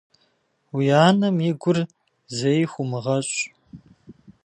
Уи анэм и гур зэи хумыгъэщӏ.